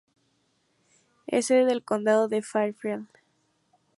Es sede del condado de Fairfield.